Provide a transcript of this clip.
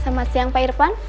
selamat siang pak irfan